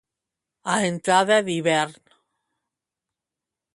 A entrada d'hivern.